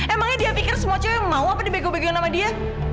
emangnya dia pikir semua cewek mau apa dibego begoin sama dia